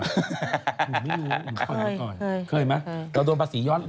คุณไม่รู้คุณเข้าไหนก่อนเคยมั้ยเราโดนภาษีย้อน